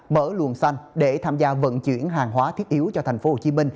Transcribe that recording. mở luồng xanh để tham gia vận chuyển hàng hóa thiết yếu cho tp hcm